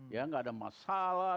ya gak ada masalah